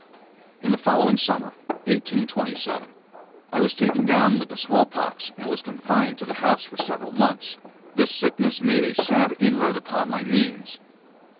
In the following summer, 1827, I was taken down with the small pox and was confined to the house for several months. This sickness made a sad inroad upon my means.